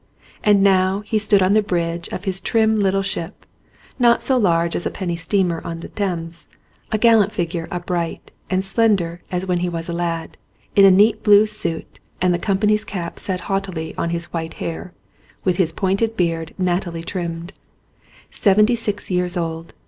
And now he stood on the bridge of his trim little ship, not so large as a penny steamer on the Thames, a gallant figure, upright and slender as when he was a lad, in a neat blue suit and the com pany's cap set jauntily on his white hair, with his pointed beard nattily trimmed. Seventy six years old.